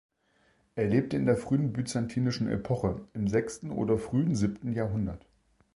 Er lebte in der frühen byzantinischen Epoche, im sechsten oder frühen siebten Jahrhundert.